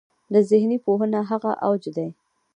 د ذهني پوهنو هغه اوج دی.